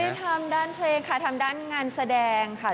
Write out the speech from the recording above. ใช่ค่ะทำด้านงานแสดงค่ะ